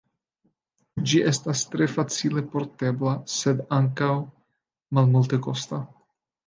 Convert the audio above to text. Ĝi estas tre facile portebla, sed ankaŭ malmultekosta.